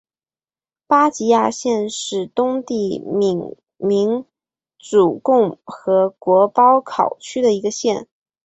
巴吉亚县是东帝汶民主共和国包考区的一个县。